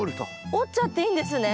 折っちゃっていいんですね？